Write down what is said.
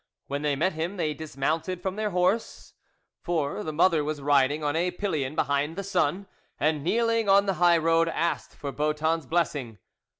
When they met him, they dismounted from their horse, for the mother was riding on a pillion behind the son, and kneeling on the highroad, asked for Boeton's blessing.